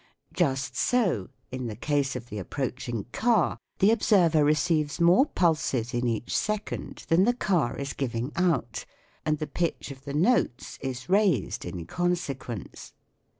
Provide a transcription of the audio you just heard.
Just so in the case of the approaching car the observer receives more pulses in each second than the car is giving out, and the pitch of the notes is raised in consequence.